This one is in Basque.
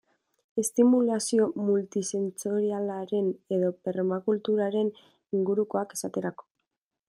Estimulazio multisentsorialaren edo permakulturaren ingurukoak, esaterako.